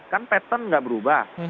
kan pattern nggak berubah